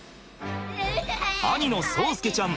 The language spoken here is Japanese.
兄の蒼介ちゃん